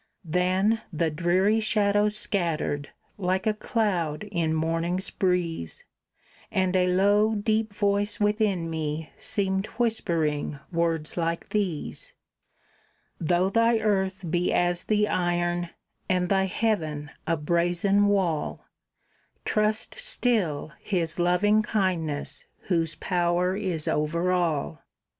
Then the dreary shadows scattered, like a cloud in morning's breeze, And a low deep voice within me seemed whispering words like these: "Though thy earth be as the iron, and thy heaven a brazen wall, Trust still His loving kindness whose power is over all."